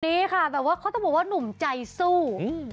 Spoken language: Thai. นี่ค่ะเขาต้องบอกว่าหนุ่มใจสู้